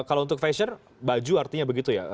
kalau untuk fashion baju artinya begitu ya